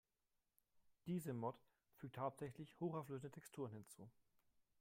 Diese Mod fügt hauptsächlich hochauflösende Texturen hinzu.